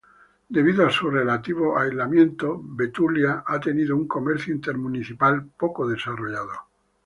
Debido a su relativo aislamiento, Betulia ha tenido un comercio intermunicipal poco desarrollado.